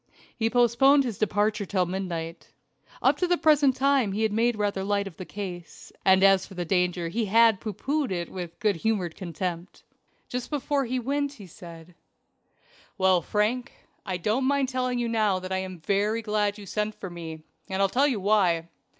He postponed his departure till midnight. Up to the present time he had made rather light of the case, and as for danger he had pooh poohed it with good humored contempt. Just before he went he said: "Well, Frank, I don't mind telling you now that I am very glad you sent for me, and I'll tell you why.